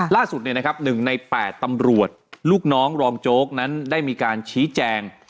ล่าสุด๑ใน๘ตำรวจลูกน้องรองโจ๊กนั้นได้มีการชี้แจง